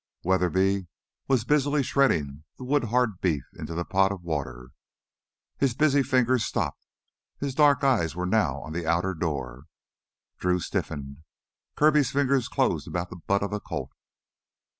Weatherby was busily shredding the wood hard beef into the pot of water. His busy fingers stopped; his dark eyes were now on the outer door. Drew stiffened. Kirby's fingers closed about the butt of a Colt.